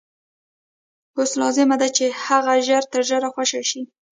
اوس لازمه ده چې هغه ژر تر ژره خوشي شي.